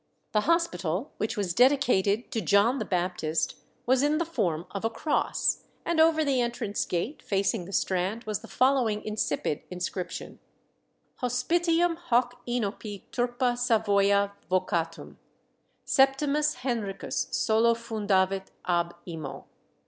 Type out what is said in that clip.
The hospital, which was dedicated to John the Baptist, was in the form of a cross, and over the entrance gate, facing the Strand, was the following insipid inscription: "_Hospitium hoc inopi turba Savoia vocatum, Septimus Henricus solo fundavit ab imo.